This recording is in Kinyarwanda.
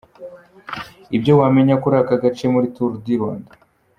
Ibyo wamenya kuri aka gace muri Tour du Rwanda:.